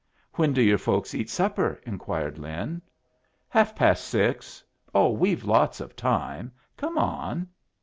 "When do your folks eat supper?" inquired Lin. "Half past six. Oh, we've lots of time! Come on."